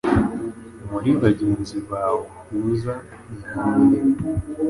Muri bagenzi bawe uhuza nande